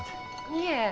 いえ。